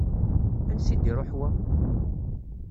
Ansi i d-iruḥ wa?